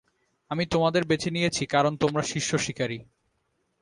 আমি তোমাদের বেছে নিয়েছি কারণ তোমরা শীর্ষ শিকারী।